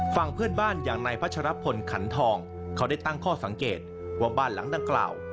ฝั่งเพื่อนบ้านอย่างนายพัชรพลขันทองเขาได้ตั้งข้อสังเกตว่าบ้านหลังดังกล่าว